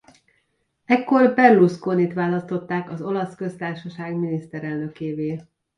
Ekkor Berlusconit választották az Olasz Köztársaság miniszterelnökévé.